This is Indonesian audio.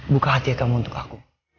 buka hati kamu untuk aku